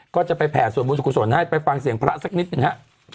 ก็จะไปแผ่ส่วนบุญสุขุศลให้ไปฟังเสียงพระสักนิดหนึ่งฮะ